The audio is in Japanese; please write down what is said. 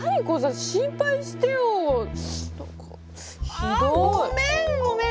あごめんごめん！